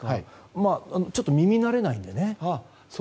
ちょっと耳慣れないので。